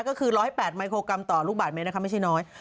ก็คือร้อยแปดไหมโครงกรรมต่อลูกบาทเมตรนะคะไม่ใช่น้อย